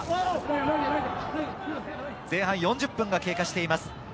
前半４０分が経過しています。